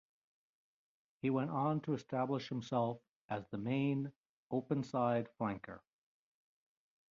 He went on to establish himself as the main openside flanker.